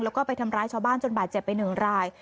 แล้วก็ไปทำร้ายชาวบ้านจนบาดเจ็บไปหนึ่งราย